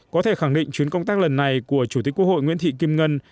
có thể khẳng định chuyến công tác lần này của chủ tịch quốc hội nguyễn thị kim ngân